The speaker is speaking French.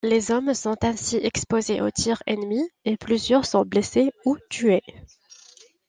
Les hommes sont ainsi exposés au tir ennemi et plusieurs sont blessés ou tués.